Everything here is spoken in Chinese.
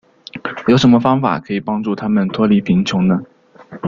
有什么方法可以帮助他们脱离贫穷呢。